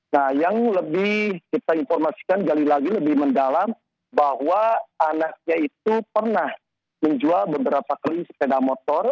nah yang lebih kita informasikan gali lagi lebih mendalam bahwa anaknya itu pernah menjual beberapa kali sepeda motor